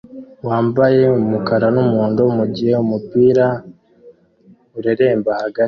wambaye umukara numuhondo mugihe umupira ureremba hagati